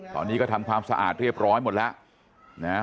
ตอนนี้ก็ทำความสะอาดเรียบร้อยหมดแล้วนะฮะ